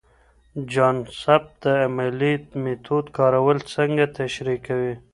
جان سبت د علمي میتود کارول څنګه تشریح کوي؟